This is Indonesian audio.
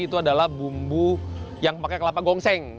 itu adalah bumbu yang pakai kelapa gongseng